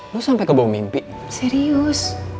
lo sampe kebawa mimpi serius